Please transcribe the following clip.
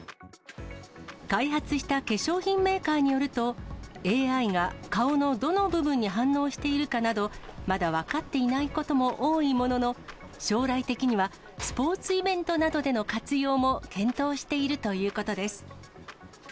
開発した化粧品メーカーによると、ＡＩが顔のどの部分に反応しているかなど、まだ分かっていないことも多いものの、将来的にはスポーツイベントなどでの活用も検討しているということです。